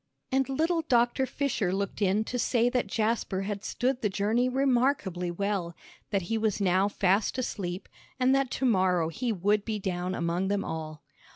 And little Doctor Fisher looked in to say that Jasper had stood the journey re _mar_kably well, that he was now fast asleep, and that to morrow he would be down among them all.